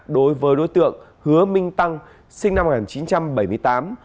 đối với đối tượng hứa minh tăng sinh năm một nghìn chín trăm bảy mươi tám